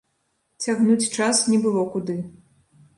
Цягнуць час не было куды.